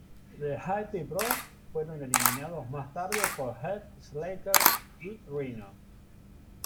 The Hype Bros fueron eliminados más tarde por Heath Slater y Rhyno.